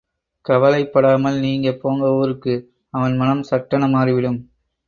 கவலைப்படாமல் நீங்க போங்க ஊருக்கு... அவன் மனம் சட்டென மாறிவிடும்.